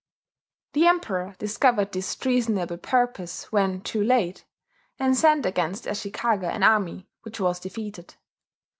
The Emperor discovered this treasonable purpose when too late, and sent against Ashikaga an army which was defeated.